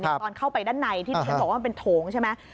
ตอนเข้าไปด้านในที่ที่ฉันบอกว่ามันเป็นโถงใช่ไหม